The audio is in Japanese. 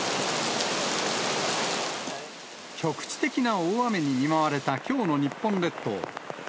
局地的な大雨に見舞われたきょうの日本列島。